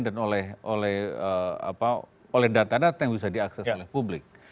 dan oleh data data yang bisa diakses oleh publik